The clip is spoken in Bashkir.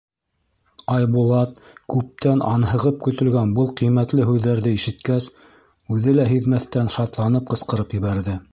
Айбулат, күптән анһығып көтөлгән был ҡиммәтле һүҙҙәрҙе ишеткәс, үҙе лә һиҙмәҫтән шатланып ҡысҡырып ебәрҙе: